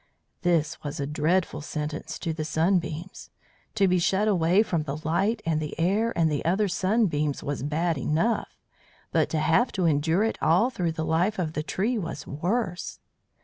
This was a dreadful sentence to the Sunbeams. To be shut away from the light and the air and the other Sunbeams was bad enough, but to have to endure it all through the life of the tree was worse.